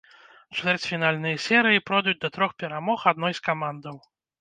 Чвэрцьфінальныя серыі пройдуць да трох перамог адной з камандаў.